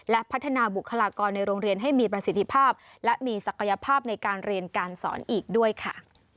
และพัฒนาบุคลากรในโรงเรียนให้มีประสิทธิภาพและมีศักยภาพในการเรียนการสอนอีกด้วยค่ะ